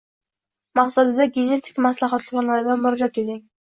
maqsadida genetik maslahatxonalarga murojaat eting.